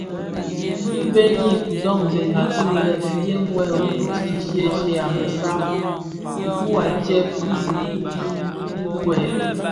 Ki bëni kidogsèna ki lè dèm yè wumzi shyeshye a mesaň ibu u tsèb ki nkun ki fuèi.